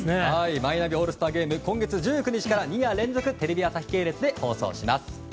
マイナビオールスターゲーム２夜連続でテレビ朝日系列で放送します。